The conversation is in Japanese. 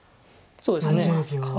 そうですね。